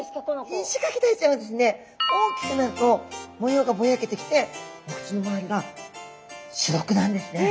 イシガキダイちゃんはですね大きくなると模様がぼやけてきてお口の周りが白くなるんですね。